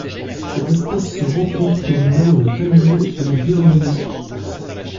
Cette espèce se rencontre dans le nord de la Thaïlande et en Birmanie.